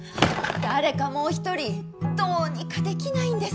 誰かもう一人どうにかできないんですか？